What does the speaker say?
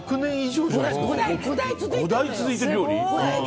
５代続いてる料理。